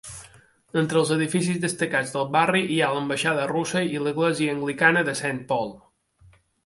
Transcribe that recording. Entre els edificis destacats del barri hi ha l'ambaixada russa i l'església anglicana de Saint Paul.